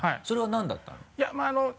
それは何だったの？